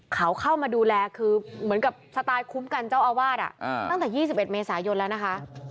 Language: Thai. เขาเข้ามาดูแลคือเหมือนกับสไตล์คุ้มกันเจ้าอาวาสตั้งแต่๒๑เมษายนแล้วนะคะ